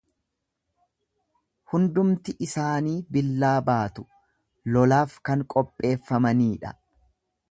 hundumti isaanii billaa baatu, lolaaf kan qopheeffamanii dha;